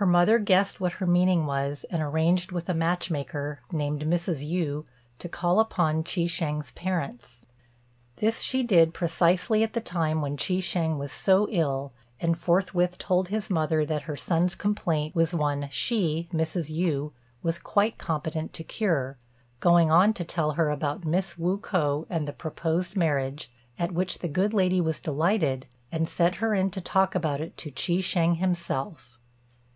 Her mother guessed what her meaning was, and arranged with a match maker, named Mrs. Yü, to call upon Chi shêng's parents. This she did precisely at the time when Chi shêng was so ill, and forthwith told his mother that her son's complaint was one she, Mrs. Yü, was quite competent to cure; going on to tell her about Miss Wu k'o and the proposed marriage, at which the good lady was delighted, and sent her in to talk about it to Chi shêng himself.